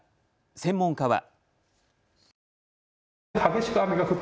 専門家は。